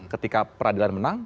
ketika peradilan menang